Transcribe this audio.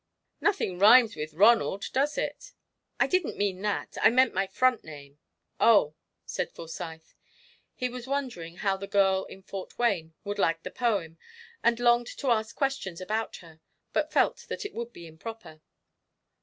"Nothing rhymes with 'Ronald,' does it?" "I didn't mean that I meant my front name." "Oh," said Forsyth. He was wondering how the girl in Fort Wayne would like the poem, and longed to ask questions about her, but felt that it would be improper.